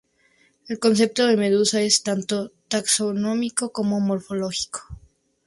El concepto de medusa es tanto taxonómico como morfológico.